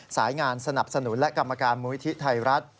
สายงานสนับสนุนและกรรมการมูลิธิไทยรัฐ